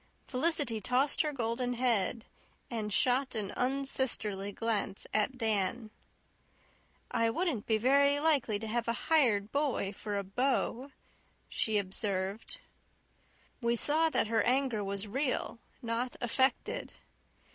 Felicity tossed her golden head and shot an unsisterly glance at Dan. "I wouldn't be very likely to have a hired boy for a beau," she observed. We saw that her anger was real, not affected.